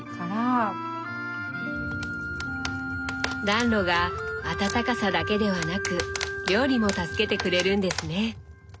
暖炉が暖かさだけではなく料理も助けてくれるんですね。